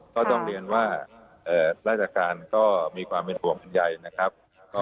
ก็ต้องเรียนว่าราชการก็มีความเป็นห่วงเป็นใยนะครับ